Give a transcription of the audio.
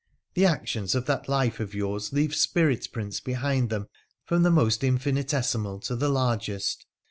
The actions of that life of yours leave spirit prints behind them from the most infinitesimal to the largest.